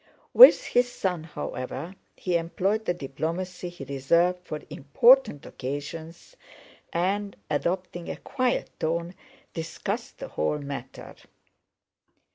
With his son, however, he employed the diplomacy he reserved for important occasions and, adopting a quiet tone, discussed the whole matter.